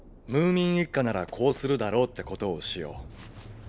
ムーミン一家ならこうするだろうってことをしよう。